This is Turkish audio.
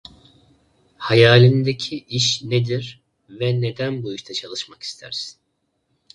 Hayalindeki iş nedir ve neden bu işte çalışmak istersin?